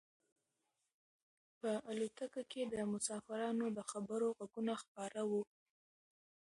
په الوتکه کې د مسافرانو د خبرو غږونه خپاره وو.